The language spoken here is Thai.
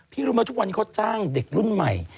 ที่รู้มาทุกวันเขาจ้างเด็กรุ่นใหม่